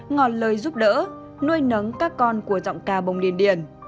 ngọt lời giúp đỡ nuôi nấng các con của giọng ca bông điên điển